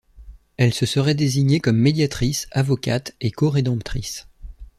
Elle se serait désignée comme Médiatrice, Avocate et Co-rédemptrice.